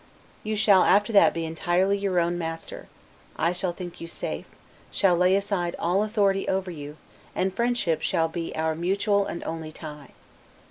You shall after that be entirely your own master; I shall think you safe; shall lay aside all authority over you, and friendship shall be our mutual and only tie.